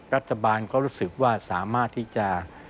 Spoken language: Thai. รัฐบาลก็รู้สึกว่าสามารถที่จะ